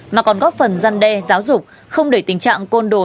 mà còn góp phần răn đe giáo dục không để tình trạng côn đồ